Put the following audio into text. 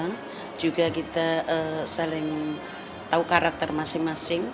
kita juga saling tahu karakter masing masing